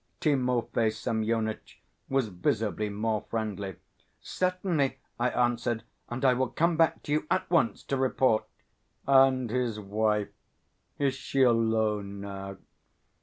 Timofey Semyonitch was visibly more friendly. "Certainly," I answered. "And I will come back to you at once to report." "And his wife ... is she alone now?